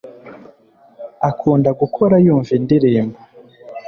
akunda gukora yumva indirimbo